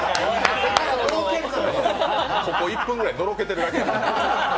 ここ１分ぐらいのろけてるだけやから。